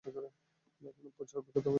তার জন্য প্রচুর অভিজ্ঞতার প্রয়োজন।